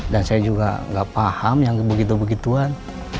dan saya juga gak paham yang begitu begituan